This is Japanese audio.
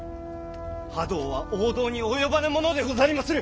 覇道は王道に及ばぬものでござりまする！